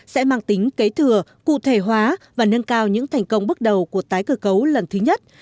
sẽ mang tính kế thừa cụ thể hóa và nâng cao những thành công bước đầu của tổ chức tín dụng